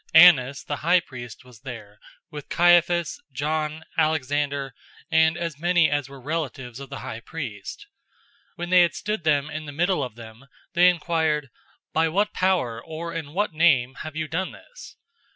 004:006 Annas the high priest was there, with Caiaphas, John, Alexander, and as many as were relatives of the high priest. 004:007 When they had stood them in the middle of them, they inquired, "By what power, or in what name, have you done this?"